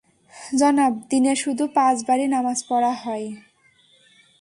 জনাব, দিনে শুধু পাঁচবারই নামাজ পড়া হয়।